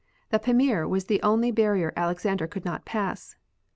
The Pamir was the only bar rier Alexander could not pass.